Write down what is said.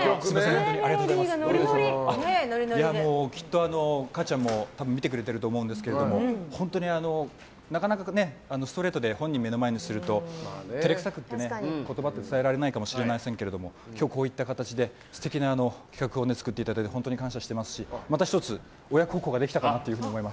きっと母ちゃんも見てくれてると思うんですけど本当にストレートで本人を目の前にすると照れくさくって、言葉って伝えられないかもしれませんけど今日、こういった形で素敵な企画を作っていただいて本当に感謝しておりますしまた１つ、親孝行ができたかなと思います。